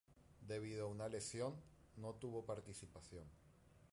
Debido a una lesión no tuvo participación.